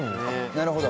なるほど。